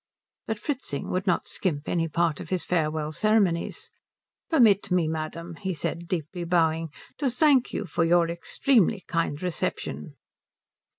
But Fritzing would not skimp any part of his farewell ceremonies. "Permit me, madam," he said, deeply bowing, "to thank you for your extremely kind reception."